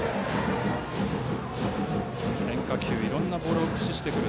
変化球、いろんなボールを駆使してくる。